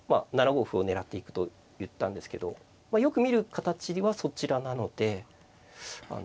７五歩を狙っていくと言ったんですけどよく見る形はそちらなので。